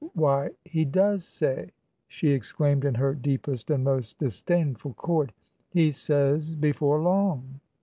"Why, he does say!" she exclaimed in her deepest and most disdainful chord. "He says 'before long.'"